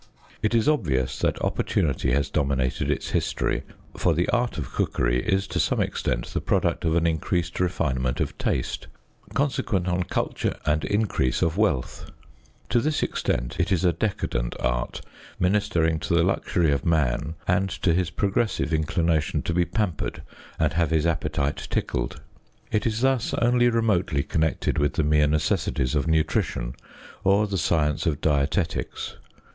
It is obvious that opportunity has dominated its history, for the art of cookery is to some extent the product of an increased refinement of taste, consequent on culture and increase of wealth. To this extent it is a decadent art, ministering to the luxury of man, and to his progressive inclination to be pampered and have his appetite tickled. It is thus only remotely connected with the mere necessities of nutrition (q.v.), or the science of dietetics